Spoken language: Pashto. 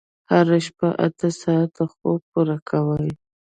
هره شپه اته ساعته خوب پوره کوئ.